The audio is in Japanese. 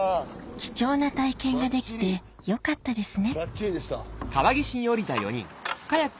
貴重な体験ができてよかったですね！